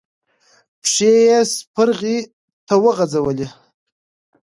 پښې يې سپرغې ته وغزولې.